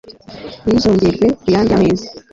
ntirizongerwe ku yandi y'amezi